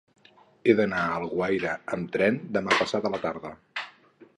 He d'anar a Alguaire amb tren demà passat a la tarda.